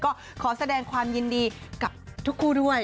ก็ขอแสดงความยินดีกับทุกคู่ด้วย